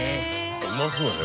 うまそうやね